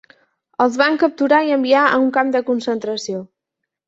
Els van capturar i enviar a un camp de concentració.